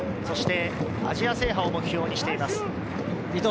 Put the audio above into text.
そしてアジア制覇を目標にしています。